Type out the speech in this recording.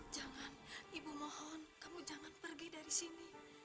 jangan ibu mohon kamu jangan pergi dari sini